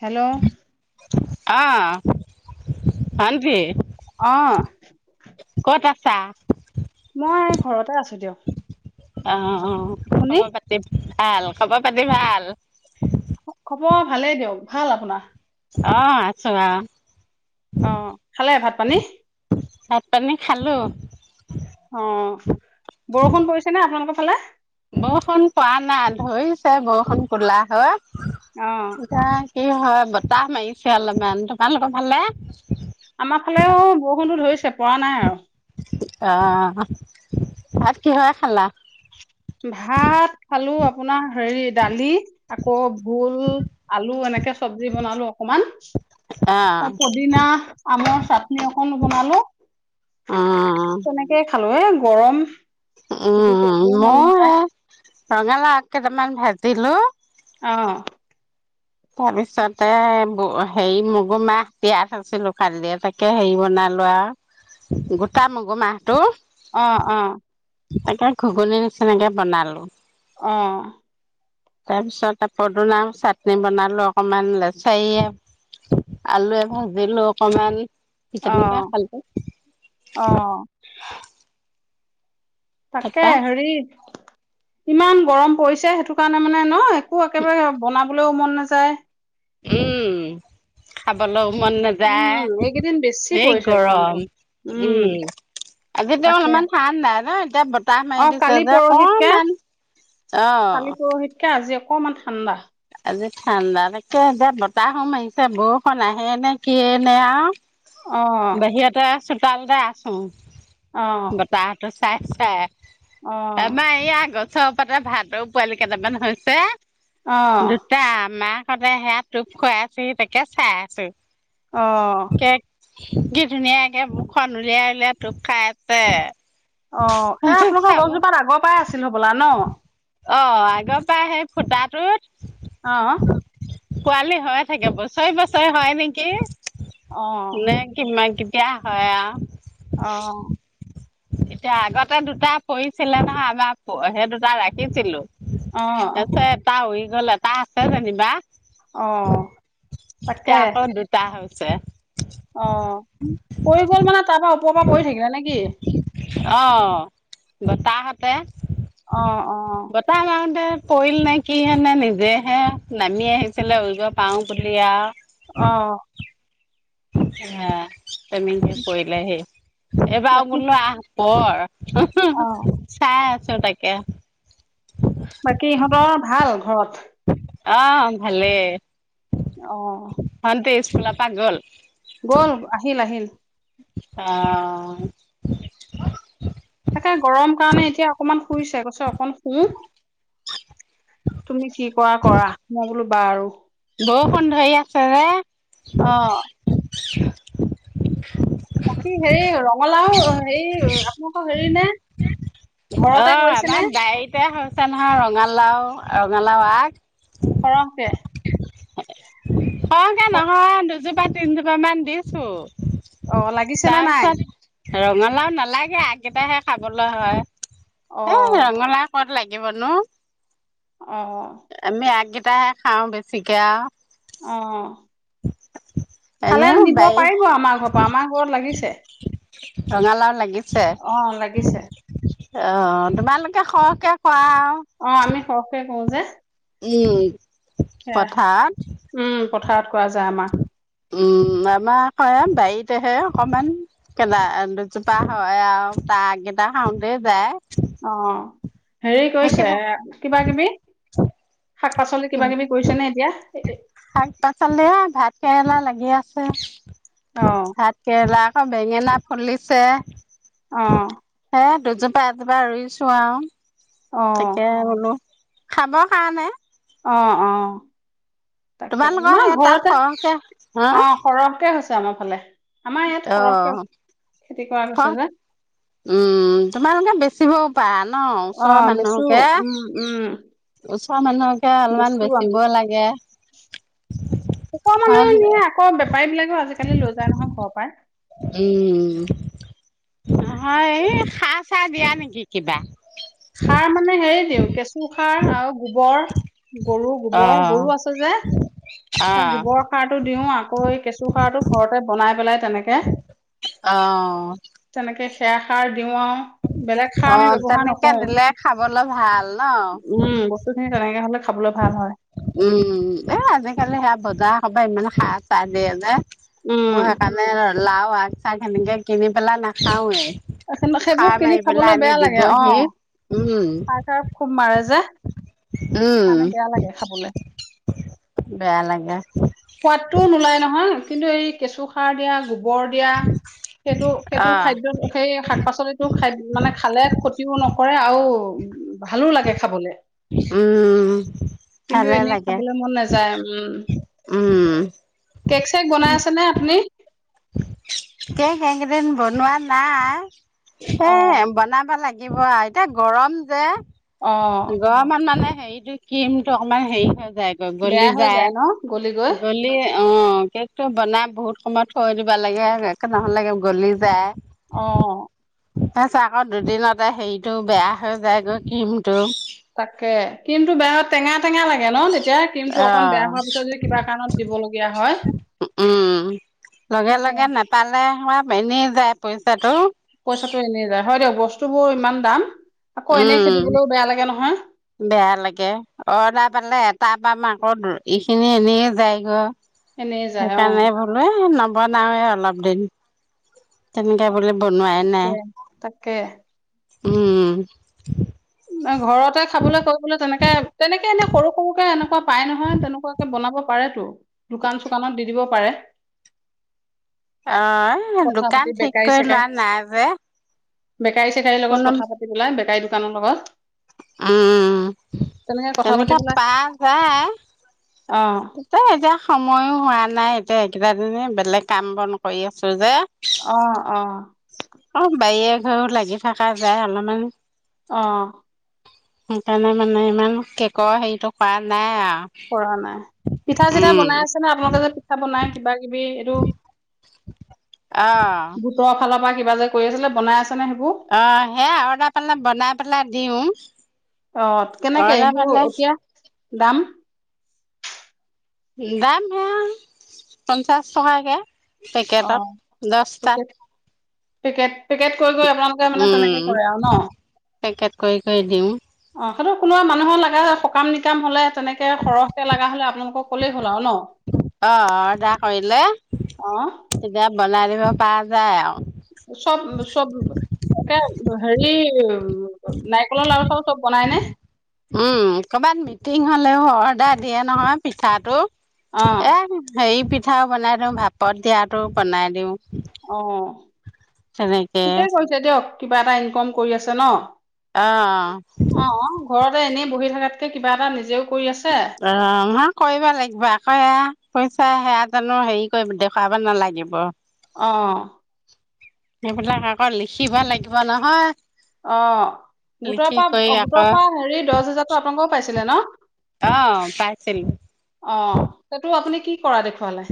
Hello অ হনতি আহ তে আছা মই ঘৰতে আছো দিয়ক অ অ আপুনি খবৰ পাতি ভাল খবৰ পাতি ভাল [inaudible] হব ভালেই দিয়ক ভাল আপোনাৰ অ আছো আৰু অ খালে ভাত পানী ভাত পানী খালোঁ অ বৰষুণ পৰিছে নে আপোনালোকৰ খালে বৰষুণ পোৱা নাই ধৰিছে বৰষুণ কোলা হয় অ [unintelligible] কি হয় বতাহ মাৰিছে অলপমান তোমালোকৰ ফালে আমাৰ ফালেও বৰষুণো ধৰিছে পৰা নাই আৰু আহ ভাত কিহৰ খালা ভাত খালো আপোনাৰ হেৰি দালি আকৌ ভোল আলু এনেকে চব্জি বনালো অকমান অ ত পদিনা আমৰ চাটনি অকনো বনালো তেনেকে খালো এ গৰম একো কৰিব মন নাযায় ৰঙালা কেইটামান ভাজিলো অ তাৰপিছতে হেৰি মগু মাহ তিয়াই থইছিলো কালিয়েই তাকে হেৰি বনালো আৰু গোটা মগু মাহটো অ অ তাকে ঘুগনীৰ নিচিনাকে বনালো অ তাৰপিছত আ পদনা চাটনি বনালো অকমান লেচাৰে আলু ভাজিলো অকমান অ হিচাপনি ক অ খালক তাকে হৰি ইমান গৰম পৰিছে সেইটো কাৰণে মানে নহ একেবাৰে বনাব লেও মন নাযায় উম খাব লও মন নাযায় উম এইকেইদিন বেছি হেই পৰিছে গৰম গৰমটো। উম আজিতো তাকে অলপমান ঠানণ্ডাই ন এ বত তাহ মাৰি অ দিছে কালি যে পৰহিতকে কণমান অ অকণমান ঠাণ্ডা আজি ঠাণ্ডাতকে এতিয়া বতাহ ও মাৰিছে বৰষুণ আহে নে কি নে অ আৰু বাহিৰত আহচোন চালদ আছো অ বতাহ তে চাই চাই অ আমা ইয়া আগ চৰপতেৰ ভাতৰ পোৱালি কেইটামান হৈছে অ দুটা আমা সতে সেয়া টোপ খুৱাই আছো তোকে চাই আছো আহ কে কি ধুনীয়াকে মুখন উলিয়াই উলিয়াই টোপ খাই আছে অ সেই আপোনালোকৰ চাব। গছজোপাত আগৰ পৰাই আছিল হ'বলা ন অ আগৰ পৰা সেই ফুটাটোত অহ পোৱালি হয়ে থাকে বছৰি বছৰি হয় নেকি অ নাই কি মাইকি এয়া হয় আৰু অ এতিয়া আগতে দুটা পৰিঢ়ছিলে নহয় আমাৰ সেই দুটা ৰাখিছিলো অ এছটাা হৈ গ'ল এটা আছে যেনিবা অ তাকে ছে অ পৰি গ'ল মানে তাৰ পৰাৰা ওপৰৰ পৰা পৰি থাকিলা নেকি অ তাহতে আহ আহ পৰিল নে কি হেনেে নিজেহে নামি আহিছিলে উৰিজ পাওঁ বুলি আৰু অহ অ [unintelligible] [unintelligible] এব আ বাকী মোৰ নোৱা [unintelligible] পঢ়। অ [unintelligible] চ চো' তাকে। বাকী ইহঁতৰ ভাল ঘৰত? অহ ভালেই। অহ খোলা পা গ'ল? গ'ল। আহিল। আহিল। অহ। তাকে গৰম কাৰণে এতিয়া অকমান শুইছে। কৈছে অকন শু তুমি কি কৰা। কৰা। মই বোলো বাৰু বৰষুণ ধৰি আছে যে অহ [inaudible] বাকী হেৰি ৰঙালাও হেৰি আপোনালোকৰ হেৰি নে? অ ঘৰতে কৰিছে নে আমাৰ বাৰীতে হৈছে নহয় ৰঙালাও। ৰঙালাও আগ সৰহকে। সৰহকে নহয়। দুজোপাত তিনিজোপামান দিছো। অ লাগিছে নে নাই? তাৰপিছত ৰঙালাও নালাগে আগকেইটাহে খাবলৈ হয়। অ এ ৰঙালাও ক'ত লাগি বনো [unintelligible] অহ। কিটাহে খাওঁ বেছিকে আৰু। অ [inaudible] খালে এনেও নিব বাৰী পাৰিব আমাৰ ঘৰৰ পৰা। আমাৰ ঘৰত লাগিছে। ৰঙালাও লাগিছিল অ লাগিছে। অ তোমালোকে খৰহকে কৰা অ আমি সৰহকে কৰো যে উম আহ পথাৰত উম পথাৰত কৰা যায় আমাৰ উম আমাৰ হয় বাৰীতেহে অকণমান কেলা দুজোপা হয় আৰু তাৰ আগকেইটা খাওঁতেই যায় অ হেৰি কৈছে সেইকেইটা কিবা কিবি শাক পাচলি কিবা কিবি কৰিছে নে এতিয়া এ- এ- শাক পাচলি ভাত কেৰেলা লাগি গি আছে অ ভাতকেৰেলা অ, বেঙেনা ফুলিছে। অ। এ দুজোপা, এজোপা, ৰুইছো আৰু। অ তাকে বোলো, খাবৰ কাৰণে। অ, অ। তাকে, তোমালোকৰ ন সেই তাত ঘৰতে সৰহকে হা অ, ঘৰহতে হৈছে। যামাৰ ফালে আমাৰ ইয়াত অ, সৰহকে খেতি কৰা ক, গৈছে যে উম, তোমালোকে বেছি চিব পাৰা ন, অ ওচৰৰ বেচো মানুহকে, উম উম ওচৰৰ মানুহকে অলপমান বেচো বেচিব আমি লাগে হ উপবিলাকও আজিকালি লৈ, যায় নহয় ঘৰৰ পৰাই। উম, নহয় এই খা চা এই, দিয়া নেকি কিবা সাৰ মানে, হেৰি দিওঁ কেঁচু খাৰ আৰু গোবৰ গৰু, অ গোবৰ গৰু আছে যে। অ সেই গোবৰৰ সাৰটো দিও, আকৌ এই কেঁচু সাৰটো ঘৰত তে, বনাই পেলাই তেনেকে, অ তেনেকে [unintelligible] ষাৰ অ, তেনেকে নকৰোঁ। নিলে খাবলৈ ভাল ন। উম, বস্তুখিনি তেনেকে হ'লে খাবলৈ ভাল হয়। উম, এ, আজিকালি সেয়া বত া কবা ইমান খাৰ চাৰ দিয়ে যে। মোৰ উম। হেকাণে আ লাও আগ, চাগ সেনেকে কিনি পেল‌াই নাখাওৱে। এইখিনি সাৰ চবজি কিনি মাৰি পেলাই খাবলৈ আনি বেয়া লাগে। অ, দিবহি উম কাৰ কাৰ খুব মাৰে যে। উম, সেইকাৰণে বেয়া লাগে খাবলৈ। বেয়া লাগে। সোৱাদটোও নোলায় নহয়, কিন্তু এই কেঁচু সাৰ দিয়া, গো গোবৰ দিয়া, সেইটো, অ সেইটো খাদ্যত সেই শাক পাচলিতোক খাই মানে, খালে ক্ষতিও নকৰে আৰু উ, ভালো লাগে খাবলে। উম, ভালে এনেই লাগে খাবলৈ মন নাযায় উম, উম কেক চেক বনাই আছে নে আপুনি কেক একেইদিন বনোৱা নাই সে অ', বনাব লাগে লাগিব এতিয়া গৰম যে অ', গৰমত মানে হেৰিতটো কি ম ত আমাৰ হেৰি হয় যাই ক গলি বেয়া হৈ যায় ন গলি গৈ? গলি অ কেকটো বনাই বহুত সময়ত থৈ দিবা লাগে একে নহ'লেগে গলি যায় অ তাৰ পিছত আকৌ দুদিনতে হেৰিতটো বেয়া হৈ যায়গৈ কিম তাকে কিন্তু বেহত টেঙা টেঙা লাগে ন এতিয়া ক্ৰীমটো অকন বেয়া অ হোৱা পিছত যদি কিবা কাৰণত দিবলগীয়া হয় উম লগে তাকে লগে নেপালে এনেই যায় পইচাটো পইচাটো এনেই যায় হয় দিয়ক বস্তুবোৰ ইমান দাম আকৌ এনেই উম খেদিবলৈও বেয়া লাগে নহয় বেয়া লাগে অৰ্ডাৰ পালে এটা আপামা আক ইখিনি এখনি যায়গৈ এনেই যায় অ সেইকাৰণে বোলো নবনাওয়ে অলপ দিন তেন বোলে বনোৱাই নাই তাকে তাকে উম [inaudible] ঘৰতে খাবলৈ কলো তেনেকে তেনেকে এনে সৰু সৰুকে এনেকুৱা পাই নহয় তেনেকুৱাকে বনাব পাৰেটো দোকান চোকানত দি দিব পাৰে অহ কথা দোকান পাতি ঠিক বেকাৰী কৰি লোৱা চেকাৰী নাই যে বেকাৰী চেকাৰীৰ লগত কোনো কথা পাতিবলৈ দোকানৰ লগত উম কথা পাতি তেনেকে পেলাই পা যায় অ তেতিয়া এতিয়া সময়ো হোৱা নাই এতিয়া এইকেইটা দিন বেলেগ কাম বন কৰি আছো যে অহ অহ ঘৰত লাগি থকা যায় অলপমান। অহ সেইকাৰণে মানে ইমান কেকৰ হেৰিতটো কৰা নাই আৰু কৰা নাই পিঠা চিঠা উম বনাই আছে নে আপোনালোকে যে পিঠা বনাই কিবা কিবি এইটো। অ', গোটৰ ফালৰ পৰা কিবা যে কৰি আছিলে বনাই আছে নে সেইবোৰ? অহ সেয়াই অৰ্ডাৰ পালে বনাই পেলাই দিও উ অহ কেনেকে এইবোৰ এতিয়া দাম দাম হে পঞ্চাশ টকাকে পেকেটত অ' দশটাত পেকেট পেকেট পেকেট কৈ গৈ উম পেকেট কৰি কৰি দিওঁ অ' কোনোবা মানুহৰ লাগে সকাম নিকাম হ'লে তেনেকে সৰহকে লগা হলে আপোনালোকক ক'লেই হ'ল আৰু নহ অ', অৰ্ডাৰ কৰিলে অহ তেতিয়া বনাই দিব পৰা যায় আৰু চব চব তেহ হেৰি কিহ উম কবাত মিটিং হ'লে অৰ্ডাৰ দিয়ে নহয় পিঠাটো অ' এয়া হেৰি পিঠাও বনাই দিওঁ ভাপত দিয়াটো বনাই দিওঁ অহ তেনেকে ঠিকেই কৈছে দিয়ক। কিবা এটা ইনকম কৰি আছে নহ? অ ঘৰতে এনেই বহি থাকাতকে কিবা এটা নিজেও কৰি আছে অ নহয় কৰিব লাগিব আকৌ এ পইচা সেয়া জানো হেৰি কৰি দেখুৱাব নালাগিব অ সেইবিলাক আকৌ লিখিব লাগিব নহয় অ গোটৰ লিখি পৰা কৰি গোটৰ আকৌ পৰা হেৰি দহ হেজাৰতো আপোনালোকৰো পাইছে ছিলে ন অ পাইছিল অ সেইটো আপুনি কি কৰা দেখুৱালে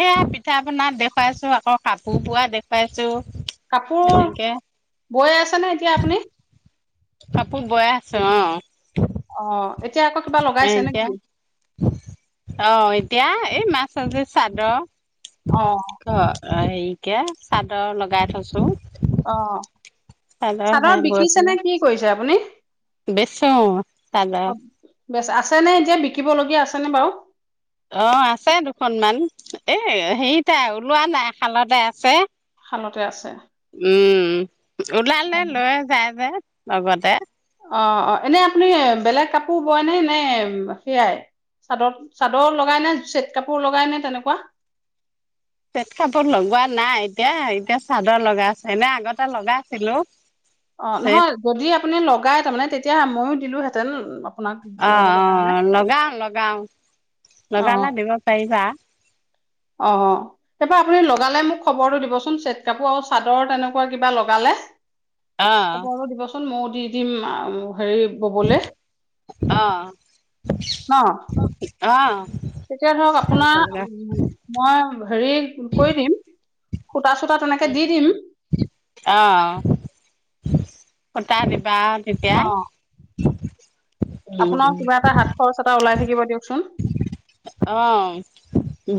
এয়া পিঠা পনাত দেখুৱাইছো আকৌ কাপোৰ বোৱা দেখুৱাইছো কাপোৰ এনেকে বৈ আছে নে এতিয়া আপুনি কাপোৰ বয় আছো অ অ এতিয়া আকৌ কিবা এ লগাইছে নে কি এতিয়া আহ এতিয়া এই মাছ চব যে চাদ অ ক আহ তে চাদৰ লগাই থৈছো অ চাদৰ বিকিছে নে কি কৰিছে আপুনি বেছো চাদাৰ অ বেচ আছে নে এতিয়া বিকিবলগীয়া আছেনে বাৰু অ আছে দুখনমান এ হেৰিত ওলোৱা নাই খালতে আছে খালতে আছে উম ওলালে অ লৈ যাই যে ভগুৱতে অ অ এনে আপুনি বেলেগ কাপোৰ বয়নে নে সেয়াই চাদৰ চাদৰ লগাই নে চেট কাপোৰ লগায় নে তেনেকুৱা চেট কাপোৰ লগোৱা নাই এতিয়া এতিয়া চাদৰ লগা আছে এনে আগতে লগাই ছিলো অ নহয় যদি আপুনি লগাই তাৰমানে তেতিয়া ময়ো দিলোহেঁতেন আপোনাক অ ববলৈ অ কাৰণে। লগাও লগাও লগালে অ', দিব পাৰিবা অ তেইপৰা আপুনি লগালে মোক খবৰটো দিবচোন চেট কাপোৰ আৰু চাদৰ তেনেকুৱা কিবা লগালে অ োন মই দি দিম হেৰি ববলে অ ন? আহ তেতিয়া ধৰক আপোনাৰ মই হেৰি কৰি দিম সূতা চূতা তেনেকে দি দিম সূটা দিবাত কেতিয়া অ', আপোনাৰ কিবা এটা হাত খৰচ এটা ওলাই থাক কি বা দিয়ক অহ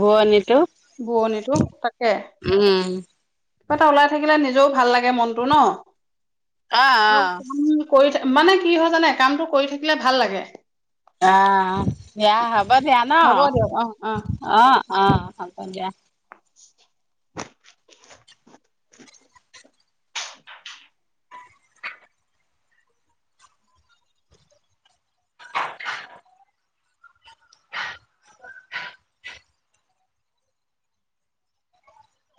ভুৱ নীটো বুৱনীটো তাকে কিবা এটা ওলাই থাকিলে নিজেও ভাল লাগে মনটো ন অ' আৰু অ'। ত কৈ থ মানে কি হয় জানে কামটো কৰি থাকিলে ভাল লাগে অ বেয়া হ হ ব দিয়া ন হ'ব দিয়ক অ অ অ হব দিয়া [inaudible]